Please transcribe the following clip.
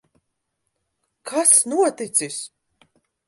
Kas noticis?